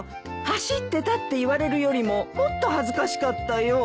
走ってたって言われるよりももっと恥ずかしかったよ。